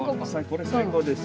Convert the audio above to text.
これ最高ですよ。ね。